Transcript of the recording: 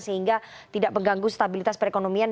sehingga tidak mengganggu stabilitas perekonomian